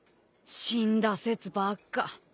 死んだ説ばっか。